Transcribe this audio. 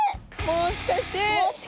もしかして。